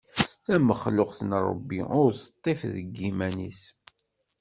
Tamexluqt n Ṛebbi, ur teṭṭif deg yiman-is.